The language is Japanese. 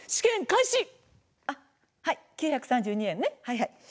はいはい、９３２円ね。